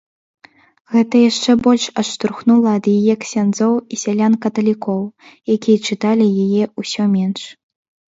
Гэта яшчэ больш адштурхнула ад яе ксяндзоў і сялян-каталікоў, якія чыталі яе ўсё менш.